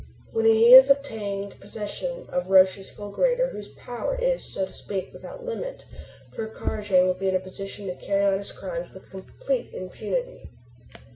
"When he has obtained possession of Roch's fulgurator whose power is, so to speak, without limit, Ker Karraje will be in a position to carry on his crimes with complete impunity.